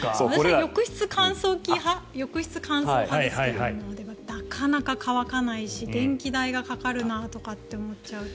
浴室乾燥機派ですけどなかなか乾かないし電気代がかかるなとかって思っちゃうと。